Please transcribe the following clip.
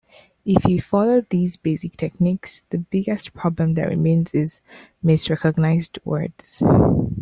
If you follow these basic techniques, the biggest problem that remains is misrecognized words.